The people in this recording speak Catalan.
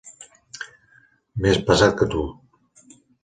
Més pesat que tu.